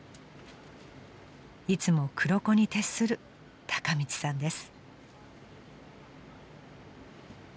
［いつも黒子に徹する孝道さんです］